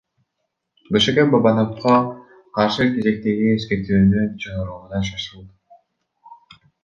БШК Бабановго каршы кезектеги эскертүүнү чыгарууга шашылды.